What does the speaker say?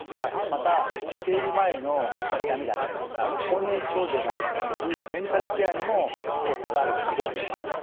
また生理前の痛みだったりとか更年期症状などによるメンタルケアにも効果があるツボといわれています。